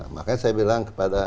makanya saya bilang kepada